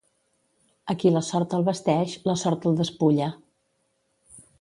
A qui la sort el vesteix, la sort el despulla.